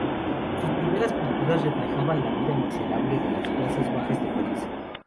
Sus primeras pinturas reflejaban la vida miserable de las clases bajas de París.